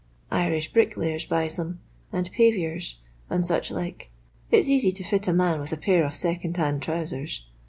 Irish bricklayers buys them, and paviours, arid such like. It's easy to fit a man with a pair of second hand trousers.